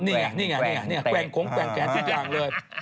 นี่ไงแกวงโค้งแกวงแกนทุกอย่างเลย